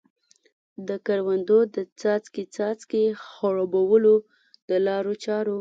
د کروندو د څاڅکې څاڅکي خړوبولو د لارو چارو.